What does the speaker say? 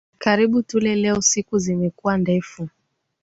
Karibu tule leo, siku zimekuwa ndefu